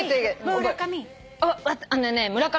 「村上！